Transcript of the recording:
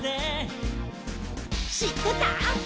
「しってた？」